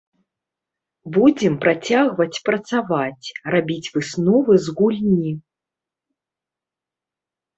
Будзем працягваць працаваць, рабіць высновы з гульні.